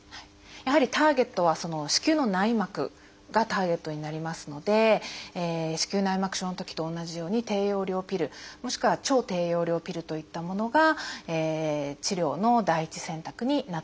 やはりターゲットはその子宮の内膜がターゲットになりますので子宮内膜症のときと同じように低用量ピルもしくは超低用量ピルといったものが治療の第一選択になってきます。